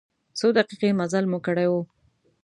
څو دقیقې مزل مو کړی و.